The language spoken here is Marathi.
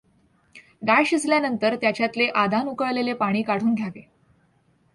डाळ शिजल्यानंतर त्याच्यातले आदान उकळलेले पाणी काढून घ्यावे.